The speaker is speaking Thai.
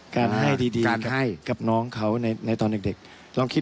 การให้ดีกับน้องเขาในตอนเด็ก